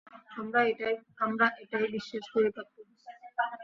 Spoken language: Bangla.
আমরা এটাই বিশ্বাস করি পাপ্পু।